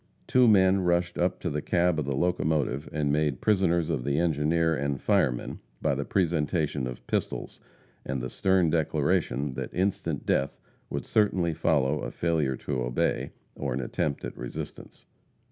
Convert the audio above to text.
Two men rushed up to the cab of the locomotive and made prisoners of the engineer and fireman by the presentation of pistols, and the stern declaration that instant death would certainly follow a failure to obey, or an attempt at resistance.